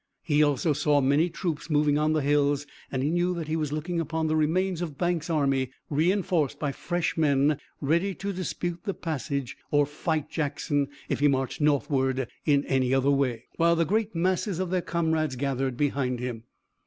He also saw many troops moving on the hills and he knew that he was looking upon the remains of Banks' army reinforced by fresh men, ready to dispute the passage or fight Jackson if he marched northward in any other way, while the great masses of their comrades gathered behind him.